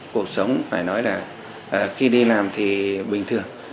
cuộc sống phải nói là khi đi làm thì bình thường